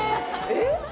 えっ！